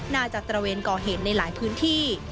ตระเวนก่อเหตุในหลายพื้นที่